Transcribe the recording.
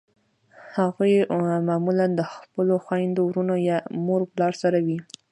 هغوی معمولأ د خپلو خویندو ورونو یا مور پلار سره وي.